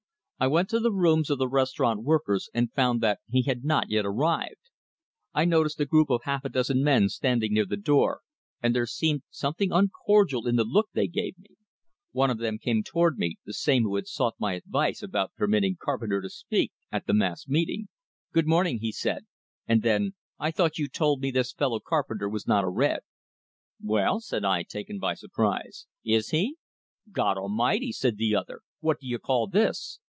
I went to the rooms of the Restaurant Workers, and found that he had not yet arrived. I noticed a group of half a dozen men standing near the door, and there seemed something uncordial in the look they gave me. One of them came toward me, the same who had sought my advice about permitting Carpenter to speak at the mass meeting. "Good morning," he said; and then: "I thought you told me this fellow Carpenter was not a red?" "Well," said I, taken by surprise, "is he?" "God Almighty!" said the other. "What do you call this?"